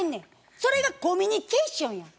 それがコミュニケーションや。